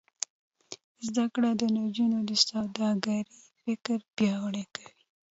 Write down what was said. زده کړه د نجونو د سوداګرۍ فکر پیاوړی کوي.